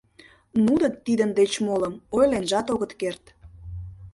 Нуно тидын деч молым ойленжат огыт керт.